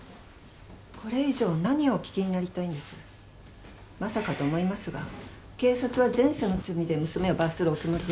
これ以上何をお聞きになりたいんです？まさかと思いますが警察は前世の罪で娘を罰するおつもりですか？